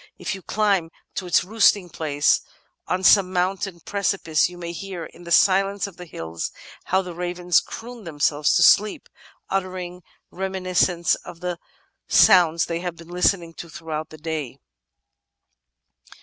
If you climb to its roosting place on some mountain precipice you may hear "in the silence of the hills how the ravens croon themselves to sleep, uttering reminiscences of the soimds they have been listening to throughout the day."